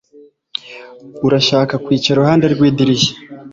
Urashaka kwicara iruhande rwidirishya